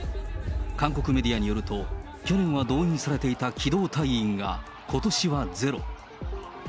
韓国メディアによると、去年は動員されていた機動隊員が、ことしはゼロ。